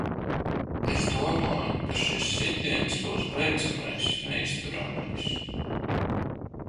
Es domāju, ka šis sitiens būs beidzamais, neizturamais.